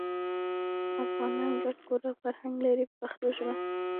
افغانان ګډ کور او فرهنګ لري په پښتو ژبه.